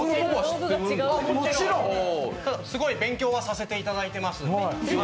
すごい勉強はさせていただいてます。